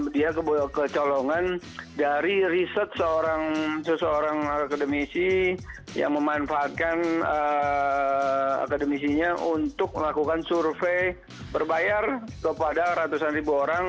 dia kecolongan dari riset seseorang akademisi yang memanfaatkan akademisinya untuk melakukan survei berbayar kepada ratusan ribu orang